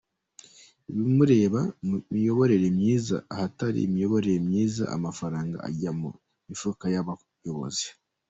Ibi mureba ni imiyoborere myiza, ahatari imiyoborere myiza, amafaranga ajya mu mifuka y’abayobozi.